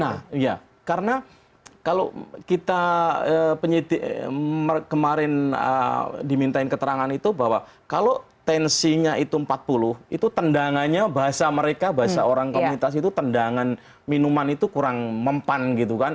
nah iya karena kalau kita penyidik kemarin dimintain keterangan itu bahwa kalau tensinya itu empat puluh itu tendangannya bahasa mereka bahasa orang komunitas itu tendangan minuman itu kurang mempan gitu kan